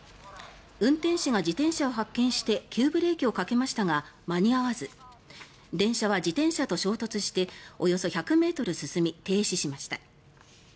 運転士が自転車を発見して急ブレーキをかけましたが間に合わず電車は自転車と衝突しておよそ１００ｍ進み停止しました。